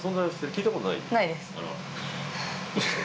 聞いた事ないです。